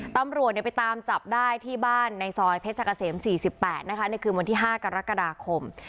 ตำรวจไปตามจับได้ที่บ้านในซอยเพชรกะเสม๔๘นะคะในคืนวันที่๕กรกฎาคม